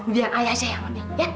biar ay aja yang ambil ya